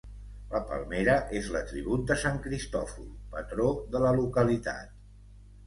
La palmera és l'atribut de sant Cristòfol, patró de la localitat.